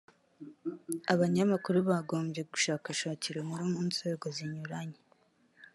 abanyamakuru bagonye gushakashakira inkuru mu nzego zinyuranye